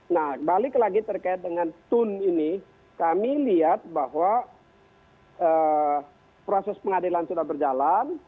nah balik lagi terkait dengan tun ini kami lihat bahwa proses pengadilan sudah berjalan